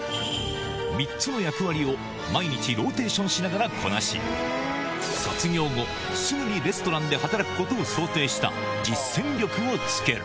３つの役割を毎日ローテーションしながらこなし、卒業後、すぐにレストランで働くことを想定した、実践力をつける。